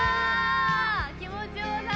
気持ちよさそう。